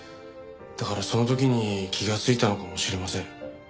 だからその時に気がついたのかもしれません。